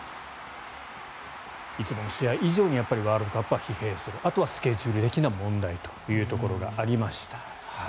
いつもの試合以上にワールドカップは疲弊するあとはスケジュール的な問題というところがありました。